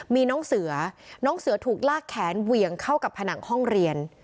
มีน้องเสือน้องเสือถูกลากแขนเหวี่ยงเข้ากับผนังห้องเรียน